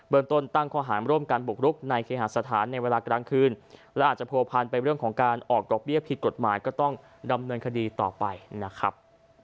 ต้นตั้งข้อหารร่วมกันบุกรุกในเคหาสถานในเวลากลางคืนและอาจจะผัวพันไปเรื่องของการออกดอกเบี้ยผิดกฎหมายก็ต้องดำเนินคดีต่อไปนะครับ